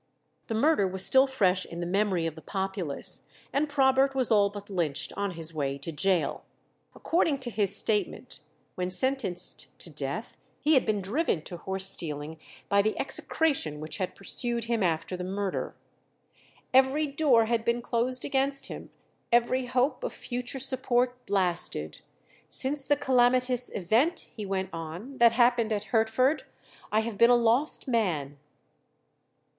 The murder was still fresh in the memory of the populace, and Probert was all but lynched on his way to gaol. According to his statement, when sentenced to death, he had been driven to horse stealing by the execration which had pursued him after the murder. "Every door had been closed against him, every hope of future support blasted. Since the calamitous event," he went on, "that happened at Hertford, I have been a lost man."